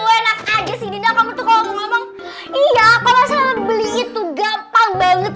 enak aja sih tidak akan bertukar ngomong iya kalau saya beli itu gampang banget